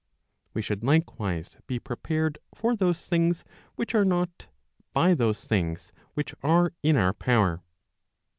We should likewise be prepared for those things which are not, by those things which are in our power.